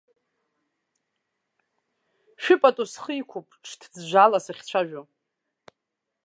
Шәыпату схы иқәуп, ҿҭыӡәӡәаала сахьцәажәо.